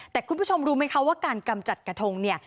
แต่คุณผู้ชมรู้ไหมคะว่าการกำจัดกระทงเนี่ย